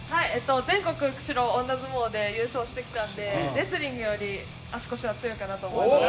全国の女相撲で優勝してきたのでレスリングより足腰は強いと思います。